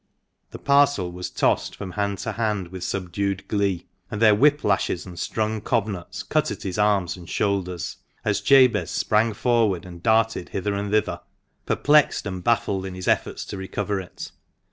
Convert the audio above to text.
The parcel was tossed from hand to hand with subdued glee, and their whip lashes and strung cob nuts cut at his arms and shoulders, as Jabez sprang forward and darted hither and thither, perplexed THE MANCHESTER MAN. m and baffled in his efforts to recover it.